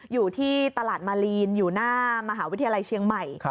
อยู่ที่ตลาดมาลีนอยู่หน้ามหาวิทยาลัยเชียงใหม่